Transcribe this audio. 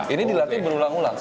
ini dilatih berulang ulang